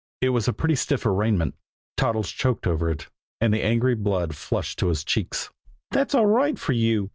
It was a pretty stiff arraignment. Toddles choked over it, and the angry blood flushed to his cheeks. "That's all right for you!"